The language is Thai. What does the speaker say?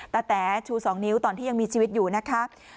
แต๋ชู๒นิ้วตอนที่ยังมีชีวิตอยู่นะคะ